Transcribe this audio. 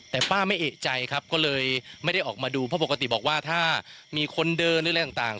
แต่ป้าไม่เอกใจครับก็เลยไม่ได้ออกมาดูเพราะปกติบอกว่าถ้ามีคนเดินหรืออะไรต่าง